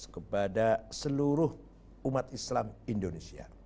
kepada seluruh umat islam indonesia